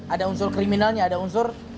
ada unsur kriminalnya ada unsur